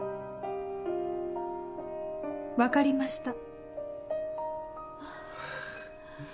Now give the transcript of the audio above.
分かりました。